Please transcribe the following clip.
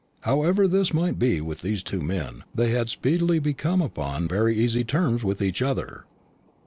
However this might be with these two men, they had speedily become upon very easy terms with each other.